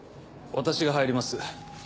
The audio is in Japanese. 私が入ります。